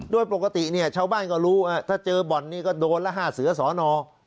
โดยปกติเนี่ยชาวบ้านก็รู้ถ้าเจอบ่อนนี้ก็โดนละ๕เสือสอนอ